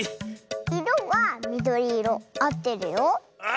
いろはみどりいろあってるよ。